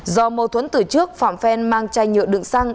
do mâu thuẫn từ trước phạm phen mang chai nhựa đựng xăng